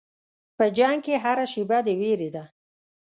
په جنګ کې هره شېبه د وېرې ده.